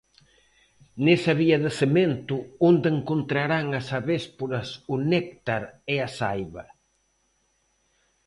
Nesa vía de cemento, onde encontrarán as avésporas o néctar e a saiva?